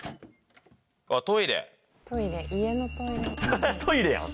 あぁトイレやん！